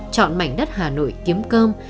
chọn mảnh đất hà nội kiếm cơm